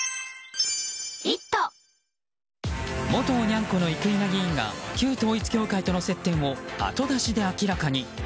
元おニャン子の生稲議員が旧統一教会との接点を後出しで明らかに。